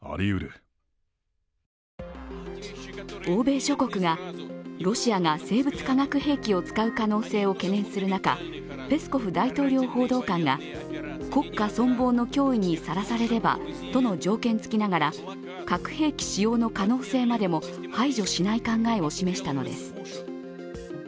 欧米諸国がロシアが生物化学兵器を使う可能性を懸念する中、ペスコフ大統領報道官が国家存亡の脅威にさらされればとの条件付きながら核兵器使用の可能性までも排除しない考えを示したのです。